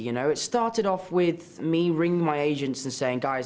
mulai dari saya menghubungi agen agen saya dan mengatakan